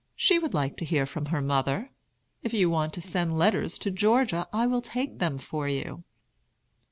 She would like to hear from her mother. If you want to send letters to Georgia, I will take them for you."